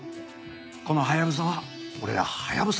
このハヤブサは俺らハヤブサ